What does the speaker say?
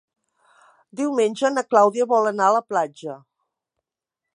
Diumenge na Clàudia vol anar a la platja.